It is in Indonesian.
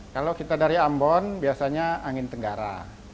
kalau kita dari ambon biasanya angin tenggara